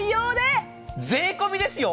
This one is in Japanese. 税込みですよ。